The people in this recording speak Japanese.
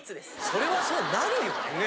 それはそうなるよね。